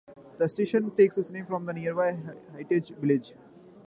The station takes its name from nearby Highgate Village.